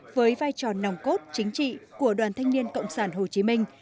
với vai trò nòng cốt chính trị của đoàn thanh niên cộng sản hồ chí minh